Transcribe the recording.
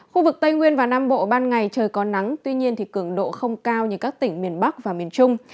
khu vực tây nguyên và nam bộ ban ngày trời có nắng tuy nhiên cường độ không cao như các tỉnh miền bắc và miền trung